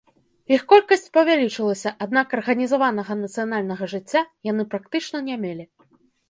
Іх колькасць павялічылася, аднак арганізаванага нацыянальнага жыцця яны практычна не мелі.